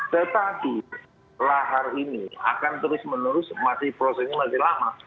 tetapi lahar ini akan terus menerus masih prosesnya masih lama